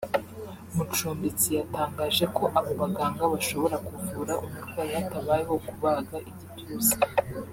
Mucumbitsi yatangaje ko abo baganga bashobora kuvura umurwayi hatabayeho kubaga igituza